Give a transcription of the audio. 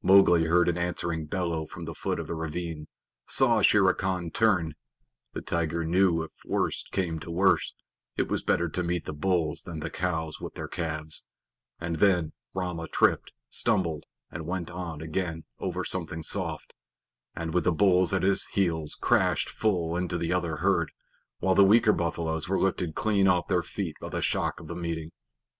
Mowgli heard an answering bellow from the foot of the ravine, saw Shere Khan turn (the tiger knew if the worst came to the worst it was better to meet the bulls than the cows with their calves), and then Rama tripped, stumbled, and went on again over something soft, and, with the bulls at his heels, crashed full into the other herd, while the weaker buffaloes were lifted clean off their feet by the shock of the meeting.